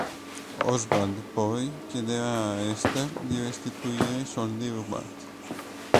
Oswald, poi, chiederà a Esther di restituire i soldi rubati.